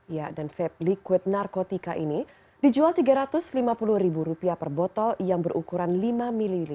ya dan vape liquid narkotika ini dijual rp tiga ratus lima puluh per botol yang berukuran lima ml